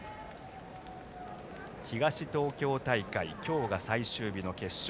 東東京大会、今日が最終日の決勝。